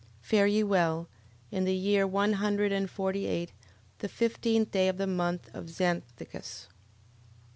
11:33. Fare ye well. In the year one hundred and forty eight, the fifteenth day of the month of Xanthicus.